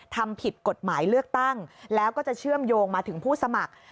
ทำผิดกฎหมายเลือกตั้งแล้วก็จะเชื่อมโยงมาถึงผู้สมัคร